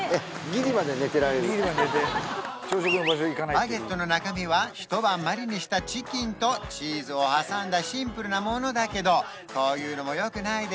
ギリまで寝てられるバゲットの中身は一晩マリネしたチキンとチーズを挟んだシンプルなものだけどこういうのもよくないですか？